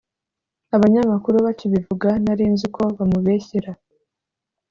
Abanyamakuru bakibivuga nari nzi ko bamubeshyera